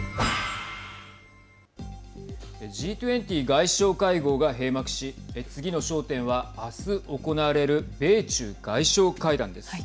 Ｇ２０外相会合が閉幕し次の焦点はあす行われる米中外相会談です。